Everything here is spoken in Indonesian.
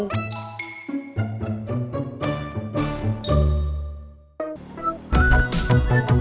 saya pengen oma